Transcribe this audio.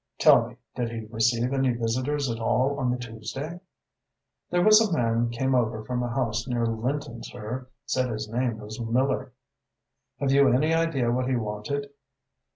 "Tell me, did he receive any visitors at all on the Tuesday?" "There was a man came over from a house near Lynton, sir, said his name was Miller." "Have you any idea what he wanted?"